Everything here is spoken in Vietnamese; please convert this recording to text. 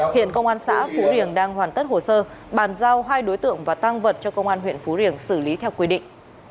hiện công an xã phú riềng đang hoàn tất hồ sơ bàn giao hai đối tượng và tăng vật cho công an huyện phú riềng xử lý theo quy định